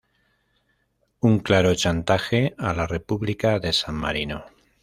Un claro chantaje a la República de San Marino.